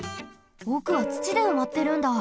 おくはつちでうまってるんだ。